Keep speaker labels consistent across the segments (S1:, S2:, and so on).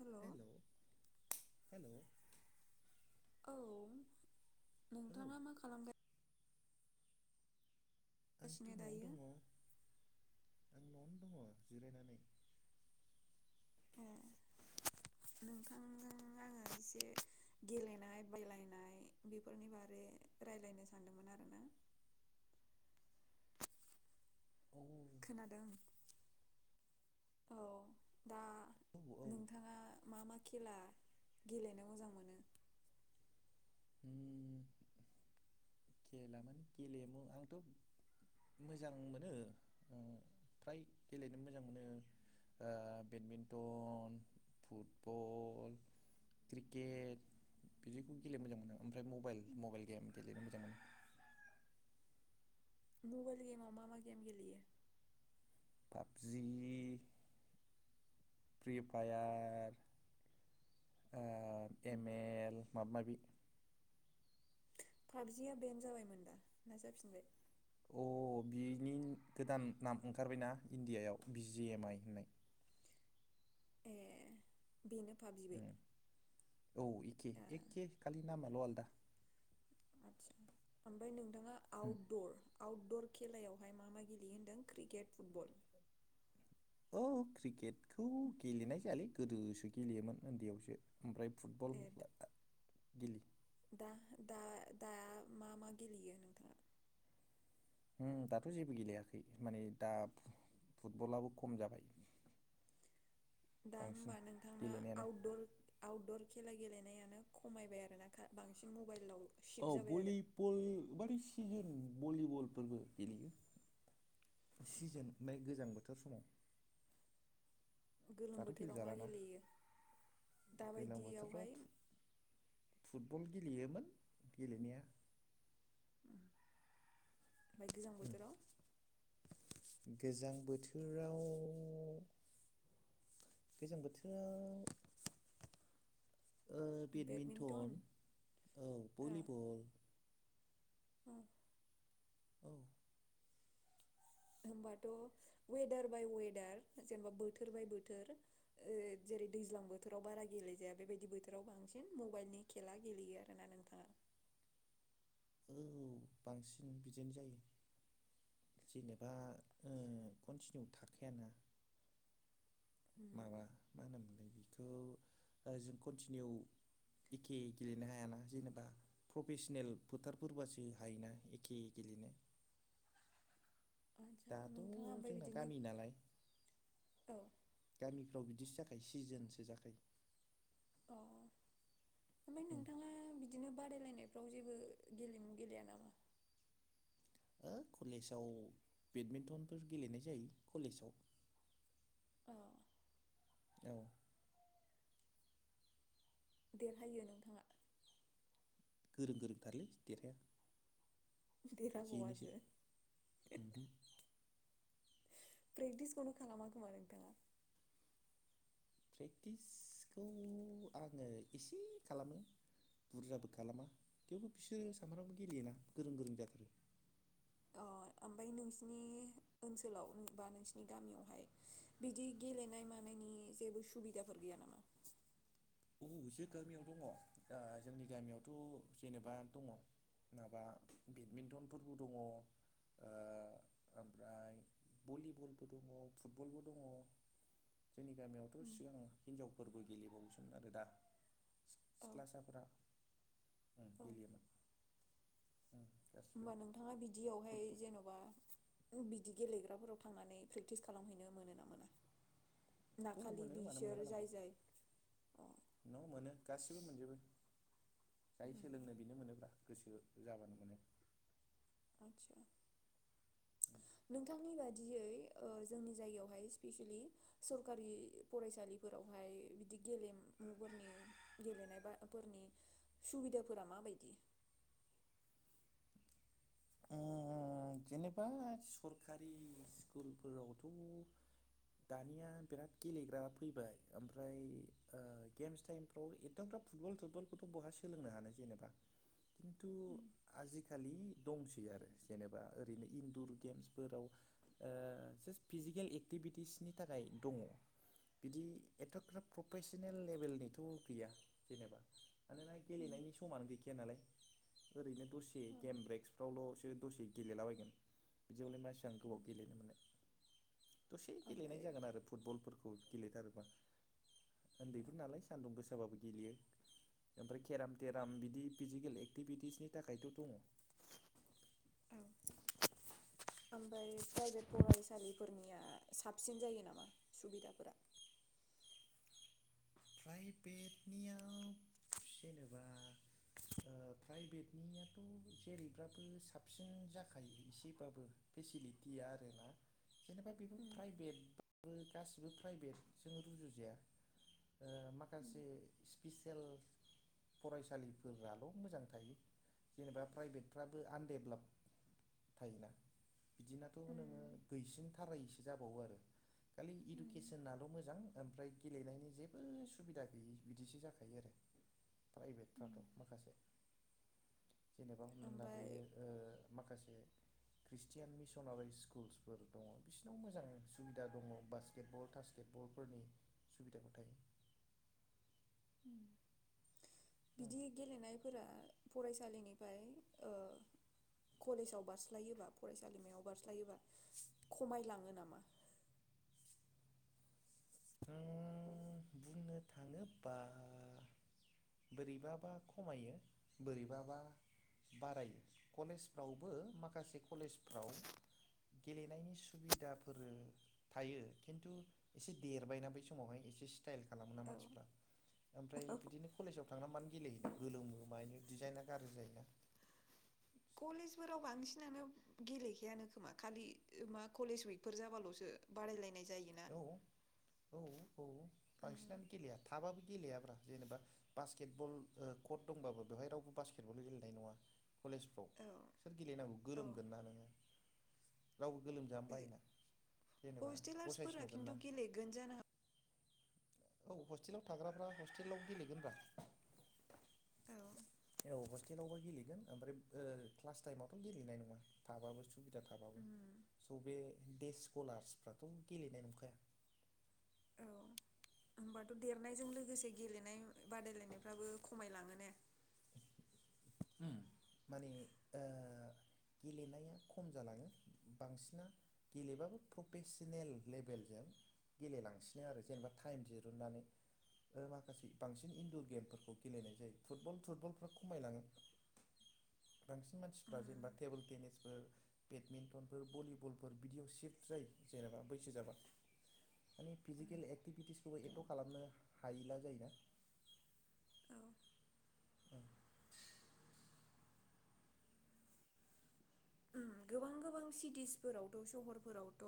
S1: Hello
S2: hello hello औ
S1: औ नोंथाङा मा खालामगोन?
S2: आंथ'
S1: खालामगासिनो
S2: न'आवनो
S1: दायो
S2: दङ। आं न'आवनो दङ जिरायनानै।
S1: ए नोंथांजों आङो एसे गेलेनाय बेलायनाय बेफोरनि बारै रायलायनो सानदोंमोन आरो ना
S2: [unintelligible]
S1: खोनादों औ दा
S2: औ औ
S1: नोंथाङा मा मा खेला गेलेनो मोजां मोनो?
S2: उम खेला माने गेलेयमु आंथ' मोजां मोनो ओ फ्राय गेलेनो मोजां मोनो ओ बेडमिन्टन, फुटबल, क्रिकेट बिदिखौ गेलेनो मोजां मोनो आं ओम फ्राय मबाइल मबाइल गेम गेलेनो मोजां मोनो
S1: मबाइल गेमाव मा मा गेम गेलेयो?
S2: पाबजि फ्रि फायार आ एम एल माबा माबि
S1: पाबजिया बेन जाबायमोन दा ना जाफिनबाय?
S2: अ बिनि गोदान नाम ओंखारबायना इण्डियायाव बि जि एम आइ होननाय।
S1: ए बेनो पाबजिबो
S2: औ एखे
S1: ए
S2: एखे खालि नामाल' आलदा
S1: आदसा ओमफ्राय नों थाङा आउटदर आउटदर खेलायावहाय मा मा गेलेयो होनदों क्रिकेट फुटबल?
S2: औ क्रिकेटखौ गेलेनाय जायालै गोदोसो गेलेयोमोन उन्दैयावसो। ओमफ्राय फुटबल
S1: ए
S2: गेलेयो
S1: दा दा दा मा मा गेलेयो नोंथाङा?
S2: ओम दाथ' जेबो गेलेयाखै माने दा फुटबलाबो खम जाबाय
S1: दा
S2: बांसिन
S1: होमबा नोंथांआ
S2: गेलेनायानो
S1: आउटदर आउटदर खेला गेलेनायानो खमायबाय आरो ना खा-बांसिन मबाइलाव
S2: औ
S1: शिफ्ट जाबाय
S2: बलि
S1: आरो
S2: बल माने सिजोन भलिबलफोरबो गेलेयो सिजोन [unintelligible] गोजां बोथोर समाव।
S1: गोलोम
S2: दाथ'
S1: बोथोराव मा
S2: गेलेजालाना
S1: गेलेयो
S2: दैज्लां बोथोराव
S1: दाबायदियावहाय
S2: फुट-फुटबल गेलेयोमोन गेलेनाया।
S1: ओमफाय गोजां बोथोराव?
S2: गोजां बोथोराव गोजां बोथोराव
S1: बेडमिन्टन
S2: ओ-बेडमिन्टन औ भलिबल
S1: औ
S2: औ
S1: होमबाथ' वेदार बाय वेदार जेनेबा बोथोर बाय बोथोर ओ जेरै दैज्लां बोथोराव बारा गेलेजाया बेबायदि बोथोराव बांसिन मबाइलनि खेला गेलेयो आरोना नोंथाङा।
S2: औ बांसिन बिदिनो जायो जेनेबा ओ कन्टिनिउ थाखायाना।
S1: उम
S2: माबा मा होनोमोनलाय बे खौ जों कन्टिनिउ एखे गेलेनो हायाना जेनेबा प्रफेसनेल फोथारफोरबासो हायोना एखे गेलेनो।
S1: आदसा
S2: दाथ'
S1: नोंथाङा ओमफ्राय
S2: जोंना
S1: बिदिनो
S2: गामि नालाय
S1: औ
S2: गामिफ्राव बिदिसो जाख सिजोनसो जाखायो।
S1: अ। ओमफ्राय
S2: उम।
S1: नोंथाङा बिदिनो बादायलायनायफ्राव जेबो गेलेमु गेलेया नामा?
S2: ओ कलेजाव बेडमिन्टनफोर गेलेनाय जायो कलेजाव।
S1: अ
S2: औ।
S1: देरहायो नोंथाङा?
S2: गोरों गोरोंथारलै देरहाया। जेनोसै
S1: देरहाबावासो
S2: ओमहो
S1: [inaudible] प्रेक्टिसखुनो खालामा खोमा नोंथाङा‌।
S2: प्रेक्टिसखौ आङो एसे खालामो बुरजाबो खालामा थेवबो बिसोरो सानफ्रामबो गेलेयोना गोरों गोरों जाथारो।
S1: अ ओमफ्राय नोंसिनि ओनसोलाव बा नोंसिरनि गामियावहाय बिदि गेलेनाय मानायनि जेबो सुबिदाफोर गैया नामा?
S2: औ जों गामियाव दङ दा जोंनि गामियावथ' जेनेबा दङ माबा बेडमिन्टनफोरबो दङ, ओ ओमफ्राय भलिबलबो दङ, फुटबलबो दङ जोंनि गामियावथ'
S1: औ
S2: सिगाङाव हिनजाव फोरबो गेलेबावोसो आरो दा सि-सिख्लासाफोरा। [inaudible]
S1: औ होमबा नोंथाङा बिदियावहाय
S2: फुटबल
S1: जेन'बा ग्रुब बिदि गेलेग्राफोराव थांनानै प्रेक्टिस खालामहैनो मोनो ना मोना? ना
S2: औ
S1: खालि
S2: मोनो मानो मोना
S1: बिसोर
S2: जानांगौ।
S1: जाय जाय अ
S2: [inaudible] औ मोनो गासिबो मोनजोबो। जाय
S1: उम,
S2: सोलोंनो बेनो मोनोब्रा। गोसो जाबानो मोनो।
S1: आतसा। नोंथांनि बादियै ओ जोंनि जायगायावहाय स्पिसेलि सरखारि फरायसालिफोरावहाय बिदि गेलेमुफोरनि गेलेनाय बा-फोरनि सुबिदाफोरा माबायदि?
S2: उम जेनेबा सरखारि स्कुलफोरावथ' दानिया बिराद गेलेग्रा फैबाय ओमफ्राय ओ गेम्स टाइमफ्राव एथ'ग्राब फुटबल थटबलखौथ' बहा सोलोंनो हानो जेनेबा। खिन्थु आजिखालि ब दंसै आरो जेनेबा। ओरैनो इनडुर गेम्सफोराव ओ जास्ट फिजिकेल एक्टिभिटिसनि थाखाय दङ। बिदि एथ'गाब प्रफिसनेल लेभेलनिथ' गैया जेनेबा। मानोना गेलेनायनि समानो गैखाया नालाय। ओरैनो दसे
S1: औ
S2: गेम ब्रेक्सफ्रावल'सो दस गेलेलाबायगोन बिदियावलाय मा इसिबां गोबाव गेलेनो मोनो। दसे गेलेनाय
S1: ओमफ्राय
S2: जागोन आरो फुटबलफोरखौ। गेलेथारोबा उन्दैफोर नालाय सान्दुं गोसाबाबो गेलेयो ओमफ्राय केराम थेराम बिदि फिजिकेल एक्टिभिटिसनि थाखायथ' दङ।
S1: औ ओमबाय प्राइभेट फरायसालिफोरनिया साबसिन जायो नामा सुबिदाफोरा? [inaudible]
S2: प्राइभेटनियाव जेनेबा ओ प्राइभेटनियाथ' जेरैबाबो साबसिन जाखायो एसेबाबो फेसिलिटिया आरोना। जेनेबा बेबो प्राइभेट बो गासिबो प्राइभेटजों रुजुजाया।
S1: उम
S2: माखासे स्पिस [inaudible] हटेल फरायसालिफोराल' मोजां थायो जेनेबा प्राइभेटफ्राबो आनडेभेलप थायोना? बिदिनाथ' नोङो गैसिनथारायस बि जाबावो आरो खालि
S1: उम
S2: इडुकेसनाल' मोजां ओमफ्राय गेलेनायनि जि बो सुबिदा गैयि बिदिसो जाखायो आरो
S1: उम
S2: प्राइभेटफ्राथ' माखासे जेनेबा हमना लादो
S1: ओमफ्राय
S2: ओ माखासे ख्रिस्टियान मिसनारि स्कुलफोर दङ बिसिनाव मोजां सुबिदा दङ बास्केट बल थासकेटबलफोरनि सुबिदाफोर थायो।
S1: बिदि गेलेनायफोरा फरायसालिनिफ्राय कलेजाव बारस्लायोबा फरायसालिमायाव बारस्लायोबा खमायलाङो नामा?
S2: जों बुंनो थाङोबा बोरैबाबा खमायो बोरैबाबा बारायो कलेजफ्रावबो माखासे कलेजफ्राव गेलेनायनि सुबिदाफोर थायो खिन्थु एसे देरबायना बै समावहाय एसे स्टाइल खालामो ना
S1: औ
S2: मानसिफ्रा ओमफ्राय
S1: औ
S2: बिदिनो कलेजाव थांनानै मानो गेलेयोनो गोलोमो मानि डिजाइना गाज्रि जायोना
S1: कलेजफोराव बांसिनानो गेलेखायानो खोमा खालि मा कलेज उइकफोर जाबाल'सो बादायलायनाय जायोना
S2: औ औ औ
S1: उम
S2: फांसनानो गलि आ हाबाबो गेलेयाब्रा जेनेबा बास्केट बल कट दंबाबो बेवहाय रावबो बास्केट बल गेलेनाय नङा कलेजफ्राव
S1: औ
S2: सोर गेलेनांगौ
S1: औ
S2: गोलोमगोन ना नोङो राव गोलोमजानो बायोना जेनेबा
S1: फोरा
S2: असायसनुगोन ना
S1: खिन्थु गेलेगोन जानो
S2: औ हस्टेलाव थाग्राफ्रा हस्टेलाव गेलेगोनब्रा
S1: औ
S2: औ हस्टेलावबो गेलेगोन ओमफ्राय ओ क्लास टाइमावथ' गेलेनाय नङा थाबाबो सुबिदा थाबाबो
S1: उम
S2: स' बे दे स्कलार्सफ्राथ' गेलेनाय नंखाया।
S1: औ होमबाथ' देरनायजों लोगोसे गेलेनाय बादायलायनायफ्राबो खमायलाङो ना?
S2: माने ओ गेलेनाया खम जालाङो बांसिना गेलेबाबो प्रफेसनेल लेबेलजों गेलेलांसिनो आरो जेनेबा टाइम दिरुनन्नानै माखासे बांसिन इनन्दर गेमफोरखौ गेलेनाय जायो फुटबल थटुटबलफ्रा खमायलाङो। बांसिन मानसिफ्रा
S1: उम
S2: जेनेबा टेबोल टेनिसफोर बेडमिन्टनफोर भलिबलफोर बिदियाव सिफ्ट जायो जेनेबा बैसो जाबा माने फिजिकेल एक्टिभिटिसफोरखौ एथ' खालामनो हायला जायोना?
S1: औ गोबां गोबां सिटिसफोरावथ' सहरफोरावथ'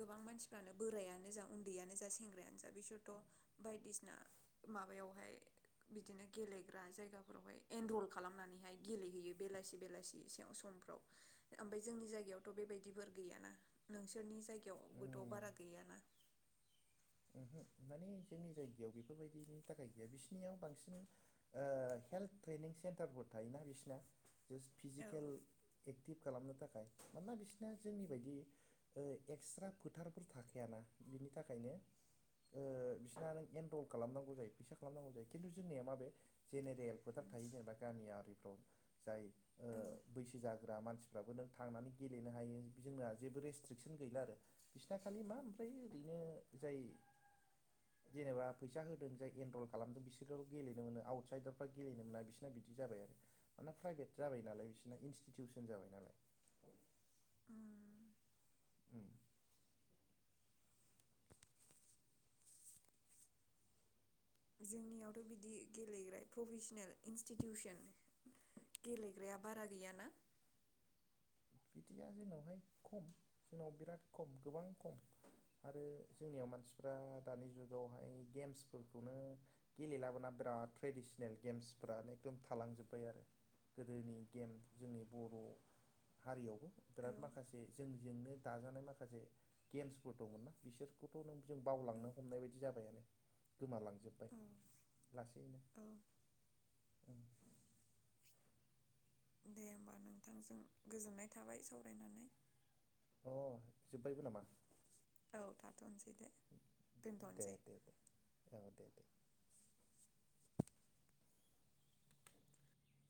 S1: गोबां मानसिफ्रानो बोरायानो जा उन्दैयानो जा सेंग्रायानो जा बिसोरथ' बायदिसिना माबायावहाय बिदिनो गेलेग्रा जायगाफोरावहाय एनरल खालामनानैहाय गेलेहैयो बेलासि बेलासि समफ्राव ओमफ्राय जोंनि जायगायावथ' बेबायदिफोर गैयाना नोंसोरनि जायगायावबोथ'
S2: उम
S1: बारा गैयाना?
S2: माने जोंनि जायगायाव बेफोरबायदिनि थाखाय गैया बिसनियाव बांसिन हेल्थ ट्रेनिं सेन्टारफोर थायोना बिसिना जास्ट
S1: औ
S2: फिजिकेल एक्टिभ खालामनो थाखाय मानोना बिसिना जोंनि बदि एक्सट्रा फोथारफोर थाखायायाना बिनि थाखायनो बिसोरना नों एनरल खालामनांगौ जायो फैसा खालामनांगौ जायो खिन्थु जोंनिया माबे जेनेरेल खथार थै ज मायााम जायो
S1: औ
S2: बैसो जागोन होग्रा मानसिफ्राबो नों थांनानै गेलेनो हायो जोंना जेबो रेस्ट्रिकसन गैला आरो बिसिना खालि मा ओमफ्रायो ओरैनो जाय जेनेबा फैसा होदों जाय एनरल खालामदों बिसोरल' गेलेनो मोनो आउटसाइदारफ्रा गेलेनो मोना बिसोरना बिदि जाबाय आरो मानोना प्राइभेट जाबाय नालाय बिसोरना इनस्टिटिउसन जाबाय नालाय
S1: उम
S2: उम
S1: जोंनियावथ' बिदि गेलेग्रा प्रफेसनेल इन्स्टिटिउसन गेलेग्राया बारा गैयाना?
S2: बिदिया जोंनावहाय खम जोंनाव बिराद खम गोबां खम आरो जोंनियाव मानसिफ्रा दानि जुगावहाय गेम्सफोरखौनो गेलेलाबोना बिराद ट्रेडिसनेल गेम्सफोराानो एखदम थालांजोब्बाय आरो गोदोनि गेम जोंनि बर' हारियावबो
S1: औ
S2: बिराद माखासे जोंजोंनो दाजानाय माखासे गेम्सफोर दंमोन ना बिसोरखौथ' नों जों
S1: औ
S2: बावलांनो हमनाय बायदि जाबायानो गोमालांजोबबाय लासैनो
S1: औ दे होमबा नोंथांजों गोजोननाय थाबाय सावरायनानै।
S2: अ जोब्बायबो नामा?
S1: औ थाथनोसै। दे
S2: दे
S1: दोनथ'नोसै
S2: दे दे औ दे दे